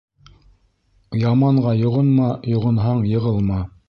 Яманға йоғонма, йоғонһаң йығылма.